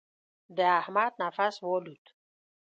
د احمد نفس والوت.